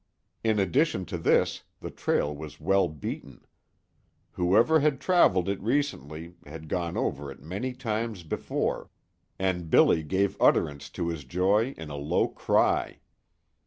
In addition to this, the trail was well beaten. Whoever had traveled it recently had gone over it many times before, and Billy gave utterance to his joy in a low cry.